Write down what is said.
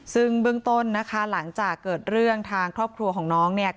ซึ่งเบื้องต้นนะคะหลังจากเกิดเรื่องทางครอบครัวของน้องเนี่ย